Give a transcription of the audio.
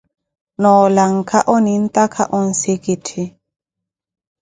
Noo lanka, oneettaka onsikitthi.